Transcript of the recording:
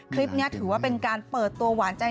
คลิปนี้ถือว่าเป็นการเปิดตัวหวานใจ